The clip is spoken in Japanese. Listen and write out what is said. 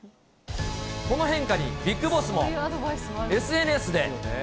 この変化に、ビッグボスもＳＮＳで。